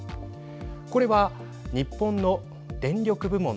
これは日本の電力部門